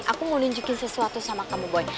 aku mau nunjukin sesuatu sama kamu boy